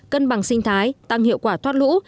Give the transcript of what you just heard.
cân bằng sinh thái tăng hiệu quả thoát lũ